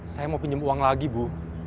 saya mau pinjam uang lagi bu